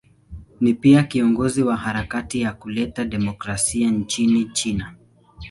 Ni pia kiongozi wa harakati ya kuleta demokrasia nchini China.